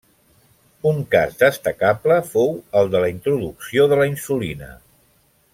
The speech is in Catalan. Un cas destacable fou el de la introducció de la insulina.